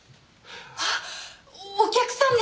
あっお客さんでしたか？